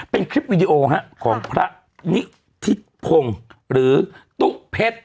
เป็นคลิปวีดีโอของพระนิทิศพงศ์หรือตุ๊กเพชร